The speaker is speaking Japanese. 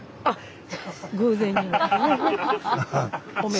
あっ！